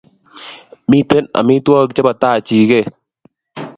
Mito amitwogik chebo tai chiget